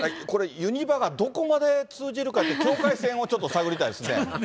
これ、ユニバがどこまで通じるかって、境界線をちょっと探りたいですね。